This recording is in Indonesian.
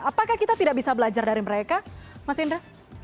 apakah kita tidak bisa belajar dari mereka mas indra